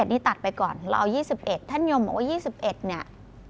นี่ตัดไปก่อนเราเอา๒๑ท่านยมบอกว่า๒๑เนี่ย